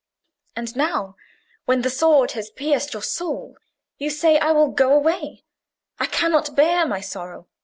And now, when the sword has pierced your soul, you say, 'I will go away; I cannot bear my sorrow.